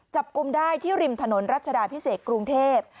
จับกลุ่มได้ที่ริมถนนรัชดาพิเศษกรุงเทพ